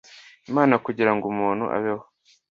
Imana kugira ngo umuntu abeho